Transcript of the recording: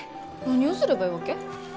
何をすればいいわけ？